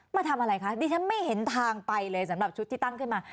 มาทำอะไรคะดิฉันไม่เห็นทางไปเลยสำหรับชุดที่ตั้งขึ้นมา